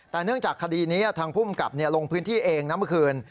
แต่เนื่องจากคดีนี้ทางภูมิกับลงพื้นที่เองนะเมื่อคืน